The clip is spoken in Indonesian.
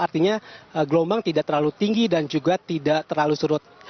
artinya gelombang tidak terlalu tinggi dan juga tidak terlalu surut